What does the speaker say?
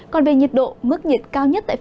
còn về nhiệt độ mức nhiệt cao nhất sẽ có mưa vài nơi